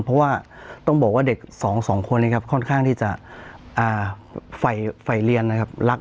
เพราะว่าต้องบอกว่าเด็กสองคนนี้ครับค่อนข้างที่จะฝ่ายเรียนนะครับ